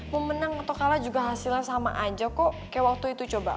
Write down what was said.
mau menang atau kalah juga hasilnya sama aja kok kayak waktu itu coba